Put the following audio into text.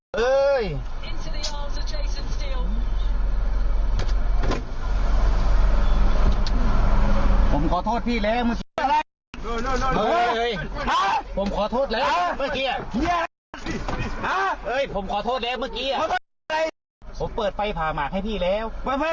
มึงเข้ามาตรงไหน